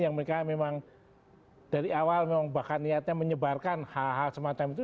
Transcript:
yang mereka memang dari awal memang bahkan niatnya menyebarkan hal hal semacam itu